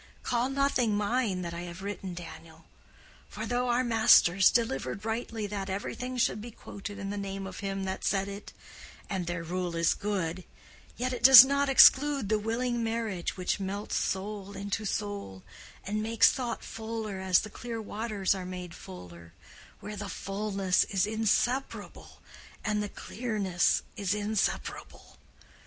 Call nothing mine that I have written, Daniel; for though our masters delivered rightly that everything should be quoted in the name of him that said it—and their rule is good—yet it does not exclude the willing marriage which melts soul into soul, and makes thought fuller as the clear waters are made fuller, where the fullness is inseparable and the clearness is inseparable.